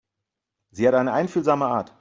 Sie hat eine einfühlsame Art.